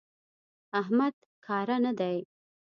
احمد کاره نه دی.